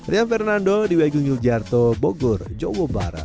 saya fernando di wg yogyakarta bogor jawa barat